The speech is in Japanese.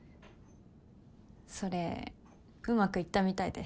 それうまくいったみたいで。